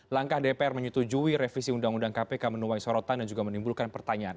langkah dpr menyetujui revisi undang undang kpk menuai sorotan dan juga menimbulkan pertanyaan